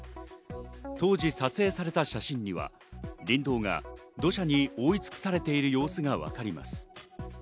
当時撮影された写真には林道が土砂に覆い尽くされている様子がわかります。